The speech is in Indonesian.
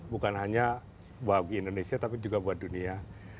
bukan hanya bagi indonesia tapi juga buat dunia